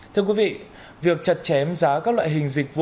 thưa quý vị việc chặt chém giá các loại hình dịch vụ